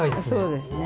そうですね。